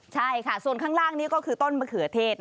ใช่ค่ะส่วนข้างล่างนี่ก็คือต้นมะเขือเทศ